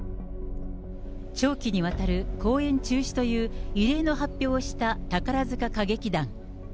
長期にわたる公演中止という異例の発表をした宝塚歌劇団。